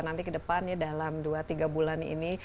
nanti kedepannya dalam dua tiga bulan ini